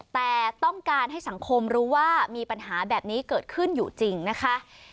แต่ต้องการให้สังคมรู้ว่ามีปัญหาแบบนี้เกิดขึ้นอยู่จริงนะคะ